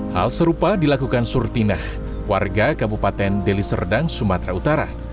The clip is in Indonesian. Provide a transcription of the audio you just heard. hal serupa dilakukan surtinah warga kabupaten deliserdang sumatera utara